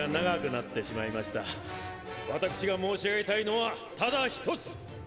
私が申し上げたいのはただ一つ。